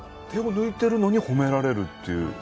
手を抜いているのに褒められるっていう。